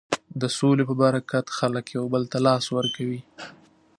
د سولې په برکت خلک یو بل ته لاس ورکوي.